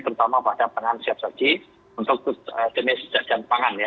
terutama pada pangan siap saji untuk jenis dan pangan ya